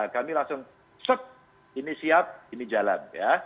kami langsung sep ini siap ini jalan ya